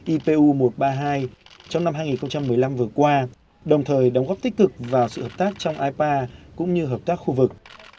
ipu một trăm ba mươi hai trong năm hai nghìn một mươi năm vừa qua đồng thời đóng góp tích cực vào sự hợp tác trong ipa cũng như hợp tác khu vực